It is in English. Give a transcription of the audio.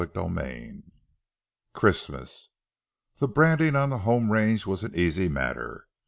CHAPTER IV CHRISTMAS The branding on the home range was an easy matter.